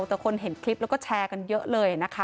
แต่คนเห็นคลิปแล้วก็แชร์กันเยอะเลยนะคะ